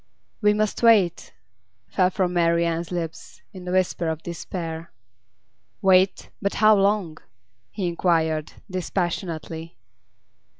'We must wait,' fell from Marian's lips, in the whisper of despair. 'Wait? But how long?' he inquired, dispassionately.